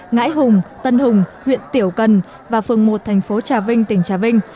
ngãi hùng tân hùng huyện tiểu cần và phường một thành phố trà vinh tỉnh trà vinh